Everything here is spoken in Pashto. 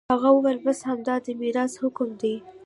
هغه وويل بس همدا د ميراث حکم دى.